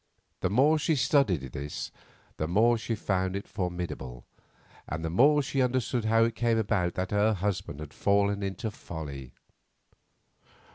The more she studied this the more she found it formidable, and the more she understood how it came about that her husband had fallen into folly.